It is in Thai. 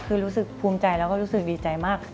คือรู้สึกภูมิใจแล้วก็รู้สึกดีใจมาก